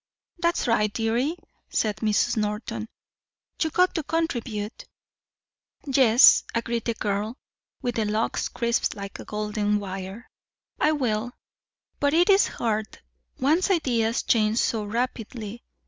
"That's right, dearie," said Mrs. Norton. "You got to contribute." "Yes," agreed the girl with the "locks crisped like golden wire," "I will. But it's hard. One's ideas change so rapidly.